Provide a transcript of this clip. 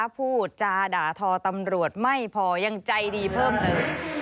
พูดจาด่าทอตำรวจไม่พอยังใจดีเพิ่มเติม